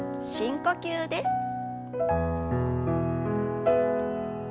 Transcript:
深呼吸です。